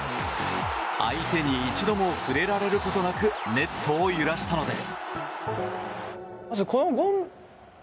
相手に一度も触れられることなくネットを揺らしたのです。